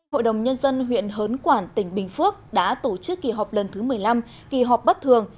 hội đồng nhân dân huyện hớn quản tỉnh bình phước đã tổ chức kỳ họp lần thứ một mươi năm kỳ họp bất thường